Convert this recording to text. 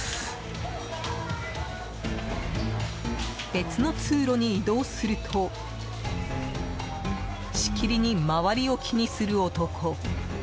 別の通路に移動するとしきりに周りを気にする男。